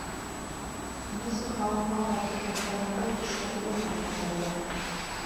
Нисек ауылға ҡайтып еткәнемде төштәгеләй генә хәтерләйем...